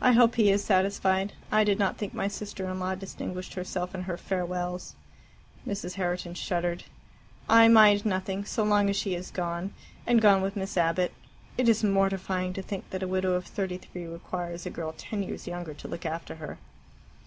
"I hope he is satisfied. I did not think my sister in law distinguished herself in her farewells." Mrs. Herriton shuddered. "I mind nothing, so long as she has gone and gone with Miss Abbott. It is mortifying to think that a widow of thirty three requires a girl ten years younger to look after her."